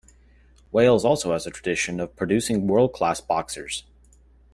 Wales also has a tradition of producing world-class boxers.